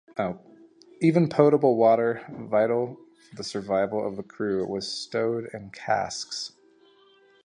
Even potable water, vital for the survival of the crew, was stowed in casks.